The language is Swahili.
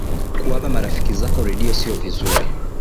kuwapa marafiki zako redio siyo vizuri